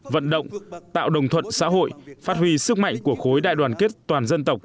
vận động tạo đồng thuận xã hội phát huy sức mạnh của khối đại đoàn kết toàn dân tộc